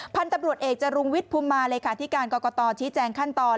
พันธุ์ตำรวจเอกจรุงวิทย์ภูมิมาเลยค่ะที่การกรกตชี้แจงขั้นตอน